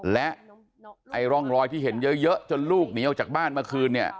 และร่องรอยที่เห็นเยอะจนลูกหนีออกจากบ้านเมื่อคืนเนี่ย